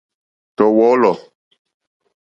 Tɔ̀ wɔ̌lɔ̀.